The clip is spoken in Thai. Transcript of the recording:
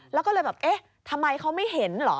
แล้วก็เลยแบบเอ๊ะทำไมเขาไม่เห็นเหรอ